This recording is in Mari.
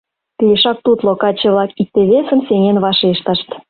— Пешак тутло! — каче-влак икте-весым сеҥен вашештышт.